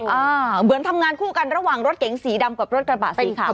เหมือนทำงานคู่กันระหว่างรถเก๋งสีดำกับรถกระบะสีขาว